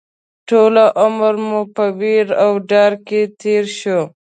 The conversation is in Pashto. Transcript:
ټول عمر مو په وېره او ډار کې تېر شو